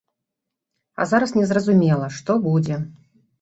А зараз не зразумела, што будзе.